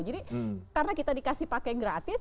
jadi karena kita dikasih pakai gratis